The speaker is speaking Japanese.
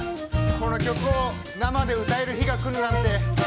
この曲を生で歌える日がくるなんて。